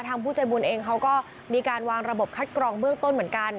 ผู้ใจบุญเองเขาก็มีการวางระบบคัดกรองเบื้องต้นเหมือนกัน